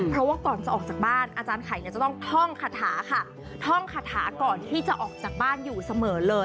เพราะว่าก่อนจะออกจากบ้านอาจารย์ไข่จะต้องท่องคาถาค่ะท่องคาถาก่อนที่จะออกจากบ้านอยู่เสมอเลย